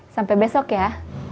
sampai besok ya